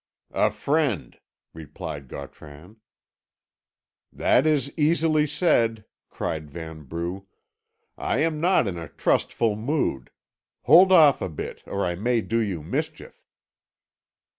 "A friend," replied Gautran. "That is easily said," cried Vanbrugh. "I am not in a trustful mood. Hold off a bit, or I may do you mischief."